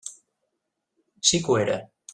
Sí que ho era.